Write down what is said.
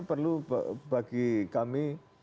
perlu bagi kami